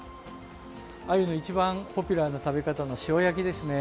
アユの一番ポピュラーな食べ方の塩焼きですね。